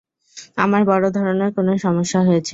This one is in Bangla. আমার বড় ধরনের কোন সমস্যা হয়েছে।